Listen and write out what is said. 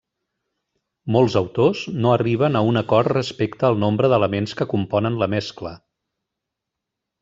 Molts autors no arriben a un acord respecte al nombre d'elements que componen la mescla.